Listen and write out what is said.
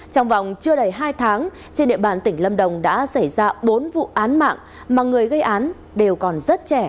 trong vòng chưa đầy hai tháng trên địa bàn tỉnh lâm đồng đã xảy ra bốn vụ án mạng mà người gây án đều còn rất trẻ